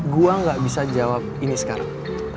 gue gak bisa jawab ini sekarang